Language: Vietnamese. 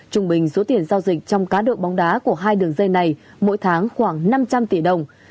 trung bình số tiền giao dịch trong cá độ bóng đá của hai đường dây này mỗi tháng khoảng năm trăm linh tỷ đồng